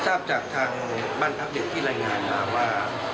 ทราบจากทางบ้านพักเด็กที่รายงานมาว่า